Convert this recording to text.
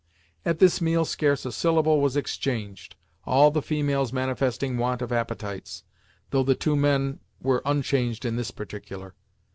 At this meal scarce a syllable was exchanged, all the females manifesting want of appetites, though the two men were unchanged in this particular.